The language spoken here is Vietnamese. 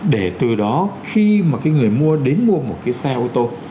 để từ đó khi mà cái người mua đến mua một cái xe ô tô